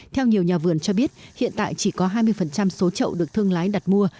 theo nhiều nhà vườn cho biết hiện tại chỉ có hai mươi số trậu được thương lái đặt mua